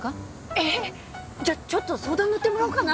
えっじゃちょっと相談乗ってもらおうかな